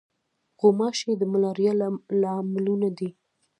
غوماشې د ملاریا له لاملونو دي.